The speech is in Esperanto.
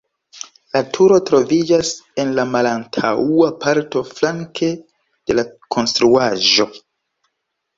La turo troviĝas en la malantaŭa parto flanke de la konstruaĵo.